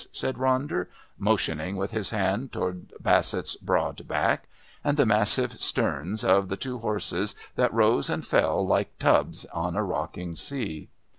said Ronder, motioning with his hand towards Bassett's broad back, and the massive sterns of the two horses that rose and fell, like tubs on a rocking sea.